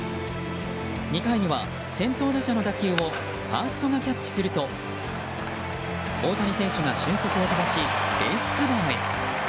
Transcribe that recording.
２回には先頭打者の打球をファーストがキャッチすると大谷選手が俊足を飛ばしベースカバーへ。